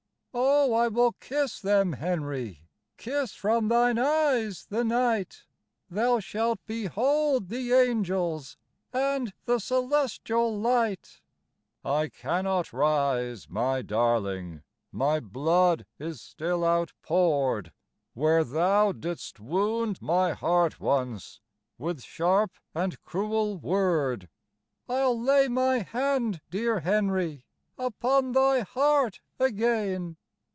"Oh, I will kiss them, Henry, Kiss from thine eyes the night. Thou shalt behold the angels And the celestial light." "I cannot rise, my darling, My blood is still outpoured Where thou didst wound my heart once With sharp and cruel word." "I'll lay my hand, dear Henry, Upon thy heart again.